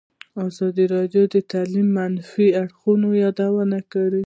ازادي راډیو د تعلیم د منفي اړخونو یادونه کړې.